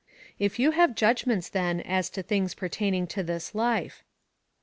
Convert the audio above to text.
If you have judgments then as to things jpertaining to this life.